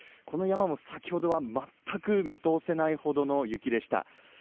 この山も先ほどは全く見通せないほどの雪でした。